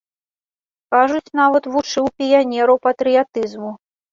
Кажуць, нават вучыў піянераў патрыятызму.